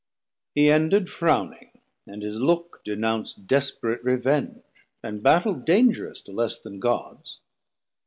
He ended frowning, and his look denounc'd Desperate revenge, and Battel dangerous To less then Gods.